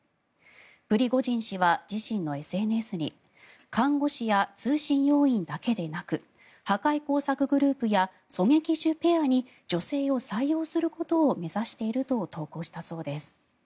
プリゴジン氏は自身のＳＮＳに看護師や通信要員だけでなく破壊工作グループや狙撃手ペアに女性を採用することを目指していると投稿したそうです。